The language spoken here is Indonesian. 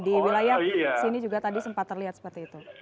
di wilayah sini juga tadi sempat terlihat seperti itu